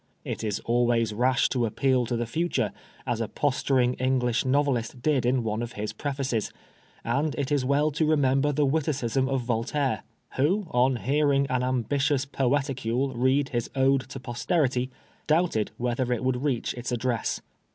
It is always rash to appeal to the future, as a posturing English novelist did in one of his Prefaces ; and it is well to remember the witticism of Voltaire, 6 PBISONEB FOB BLASPHEMY. vrhOy on hearing an ambitious poeticole read his Ode to Posterity, doubted whether it would reach its address.